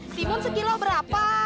timun sekilo berapa